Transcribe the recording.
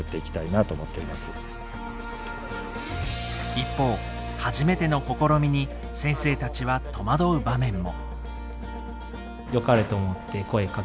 一方初めての試みに先生たちはとまどう場面も。